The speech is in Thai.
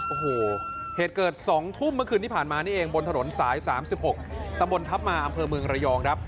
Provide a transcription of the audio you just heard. โอ้โหเหตุเกิด๒ทุ่มเมื่อคืนที่ผ่านมานี่เองบนถนนสาย๓๖ตำบลทัพมาอำเภอเมืองระยองครับ